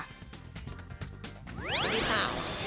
สวัสดีสาว